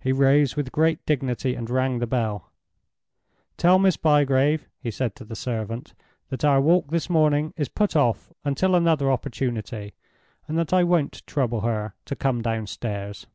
He rose with great dignity and rang the bell. "Tell Miss Bygrave," he said to the servant, "that our walk this morning is put off until another opportunity, and that I won't trouble her to come downstairs."